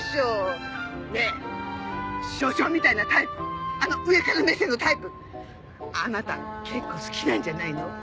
ねえ署長みたいなタイプあの上から目線のタイプあなた結構好きなんじゃないの？